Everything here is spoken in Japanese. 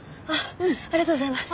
電話ありがとうございます。